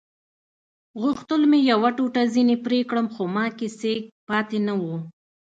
غوښتل مې یوه ټوټه ځینې پرې کړم خو ما کې سېک پاتې نه وو.